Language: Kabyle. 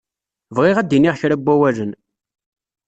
Bɣiɣ ad d-iniɣ kra n wawalen.